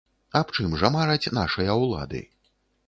Аб чым жа мараць нашыя улады?